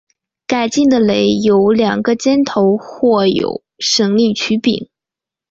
改进的耒有两个尖头或有省力曲柄。